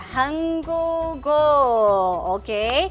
hang gu gu oke